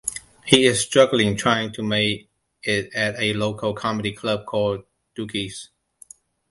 He is struggling trying to make it at a local comedy club called Dukie's.